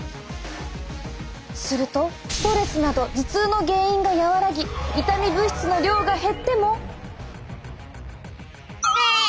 するとストレスなど頭痛の原因が和らぎ痛み物質の量が減っても。